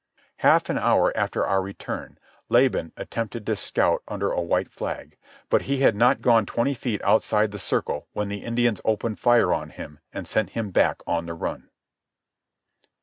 Half an hour after our return Laban attempted a scout under a white flag. But he had not gone twenty feet outside the circle when the Indians opened fire on him and sent him back on the run.